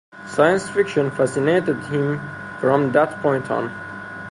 Science fiction fascinated him from that point on.